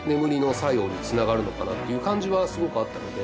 につながるのかなっていう感じはすごくあったので。